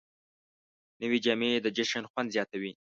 نوې جامې د جشن خوند زیاتوي